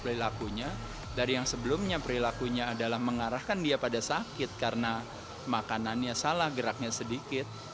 karena perlilakunya dari yang sebelumnya perlilakunya adalah mengarahkan dia pada sakit karena makanannya salah geraknya sedikit